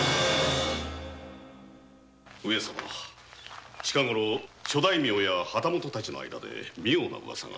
上様近ごろ諸大名や旗本たちの間で妙なウワサが。